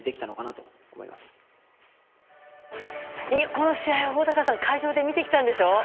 この試合を小高さん会場で見てきたんでしょ？